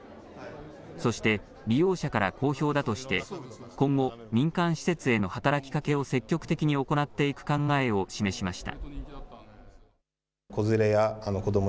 そして、利用者から好評だとして、今後、民間施設への働きかけを積極的に行っていく考えを示しました。